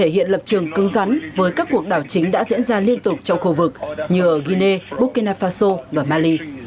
hiện lập trường cứng rắn với các cuộc đảo chính đã diễn ra liên tục trong khu vực như ở guinea burkina faso và mali